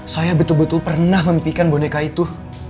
saya betul betul pernah memimpikan boneka itu